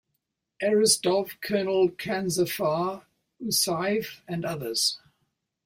Aristov, Colonel Kanzafar Usaev, and others.